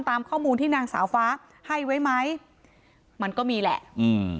ตามข้อมูลที่นางสาวฟ้าให้ไว้ไหมมันก็มีแหละอืม